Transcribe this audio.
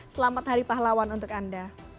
selamat hari pahlawan untuk anda